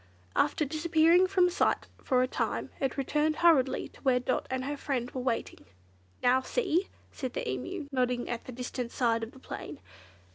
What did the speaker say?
After disappearing from sight for a time, it returned hurriedly to where Dot and her friend were waiting. "Now, see!" said the Emu, nodding at the distant side of the plain.